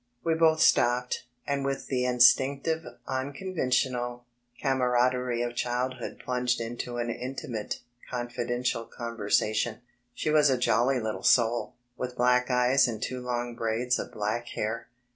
We both stopped, and with the instinctive, unconvenuonal camarad erie of childhood plunged into an intimaK, confidential con versation. She was a jolly litde soul, with black eyes and two long braids of black hair.